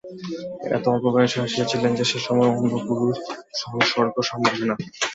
এত অল্প বয়সে আসিয়াছিলেন যে, সে সময়ে অন্য পুরুষ-সংসর্গ সম্ভবে না।